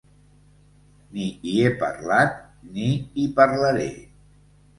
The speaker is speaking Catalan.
Ni hi he parlat ni hi parlaré.